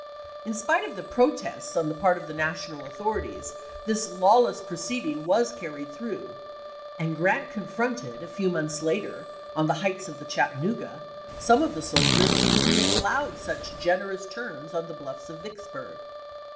In spite of the protests on the part of the National authorities this lawless proceeding was carried through, and Grant confronted, a few months later, on the heights of Chattanooga, some of the soldiers to whom he had allowed such generous terms on the bluffs of Vicksburg.